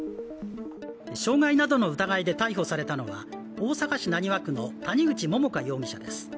傷害などの疑いで逮捕されたのは大阪市浪速区の谷口桃花容疑者です。